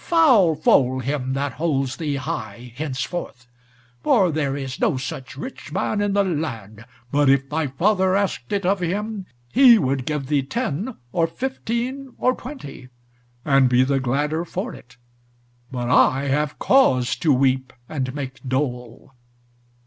Foul fall him that holds thee high henceforth! for there is no such rich man in the land, but if thy father asked it of him, he would give thee ten, or fifteen, or twenty, and be the gladder for it. But I have cause to weep and make dole."